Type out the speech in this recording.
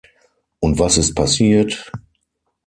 Und was ist passiert?